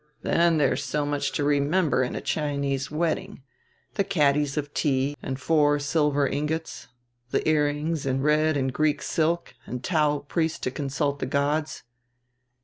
Then there is so much to remember in a Chinese wedding the catties of tea and four silver ingots, the earrings and red and green silk and Tao priest to consult the gods."